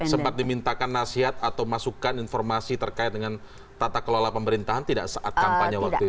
sempat dimintakan nasihat atau masukan informasi terkait dengan tata kelola pemerintahan tidak saat kampanye waktu itu